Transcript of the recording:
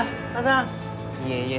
いえいえ。